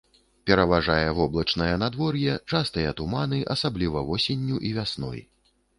Пераважае воблачнае надвор'е, частыя туманы, асабліва восенню і вясной.